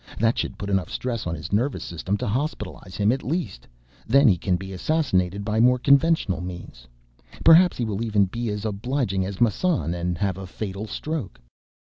That should put enough stress on his nervous system to hospitalize him, at least. Then he can be assassinated by more conventional means. Perhaps he will even be as obliging as Massan, and have a fatal stroke.